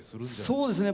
そうですね。